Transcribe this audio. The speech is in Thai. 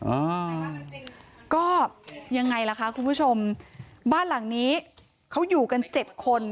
อ่าก็ยังไงล่ะคะคุณผู้ชมบ้านหลังนี้เขาอยู่กันเจ็ดคน